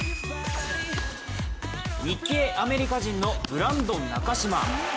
日系アメリカ人のブランドン・ナカシマ。